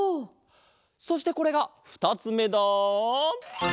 そしてこれがふたつめだ。